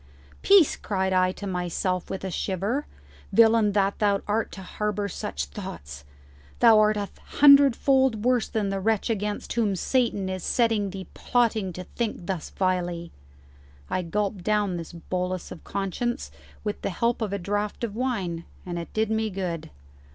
"Peace!" cried I to myself with a shiver; "villain that thou art to harbour such thoughts! Thou art a hundred fold worse than the wretch against whom Satan is setting thee plotting to think thus vilely." I gulped down this bolus of conscience with the help of a draught of wine, and it did me good.